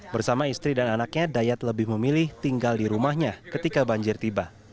bersama istri dan anaknya dayat lebih memilih tinggal di rumahnya ketika banjir tiba